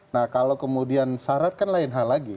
nah kalau kemudian syarat kan lain hal lagi